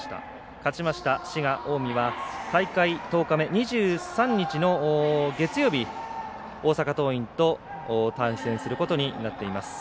勝ちました滋賀、近江は大会１０日目２３日の月曜日、大阪桐蔭と対戦することになっています。